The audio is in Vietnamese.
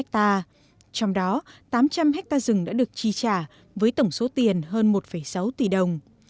trong đó tám trăm linh hectare rừng đã được chi trả với tổng số tiền hơn một sáu tỷ đồng